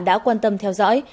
đã quan tâm theo dõi